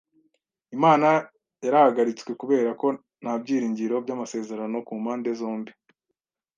Inama yarahagaritswe kubera ko nta byiringiro by’amasezerano ku mpande zombi.